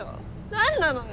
何なのよ。